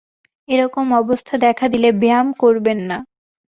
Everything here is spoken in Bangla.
এ রকম অবস্থা দেখা দিলে ব্যায়াম করবেন না।